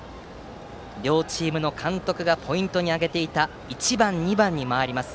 両チームの監督がポイントに挙げていた１番、２番に回ります。